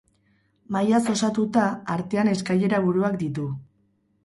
Mailaz osatuta, artean eskailera-buruak ditu.